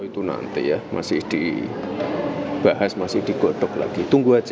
itu nanti ya masih dibahas masih digotok lagi tunggu aja